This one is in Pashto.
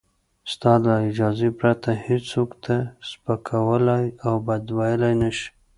ستا له اجازې پرته هېڅوک تا سپکولای او بد ویلای نشي.